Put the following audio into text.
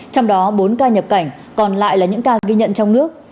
trong đó bốn ca nhập cảnh còn lại là những ca ghi nhận trong nước